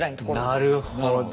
なるほど。